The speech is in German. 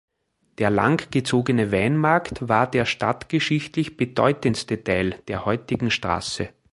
Der langgezogene Weinmarkt war der stadtgeschichtlich bedeutendste Teil der heutigen Straße.